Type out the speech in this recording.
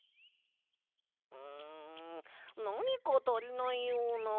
うんなにかたりないような。